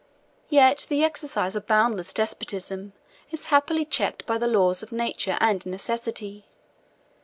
Yet the exercise of boundless despotism is happily checked by the laws of nature and necessity.